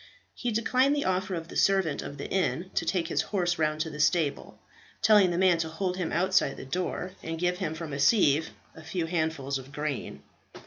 He declined the offer of the servant of the inn to take his horse round to the stable, telling the man to hold him outside the door and give him from a sieve a few handfuls of grain.